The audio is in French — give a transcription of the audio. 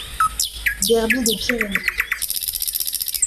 Derby des Pyrénées.